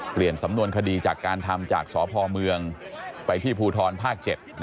สำนวนคดีจากการทำจากสพเมืองไปที่ภูทรภาค๗